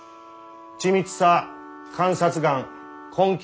緻密さ観察眼根気強さ。